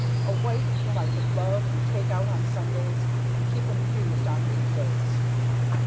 A wife whom I could love and take out on Sundays and keep amused on week days